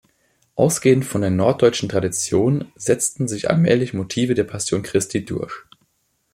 Ausgehend von der norddeutschen Tradition setzten sich allmählich Motive der Passion Christi durch.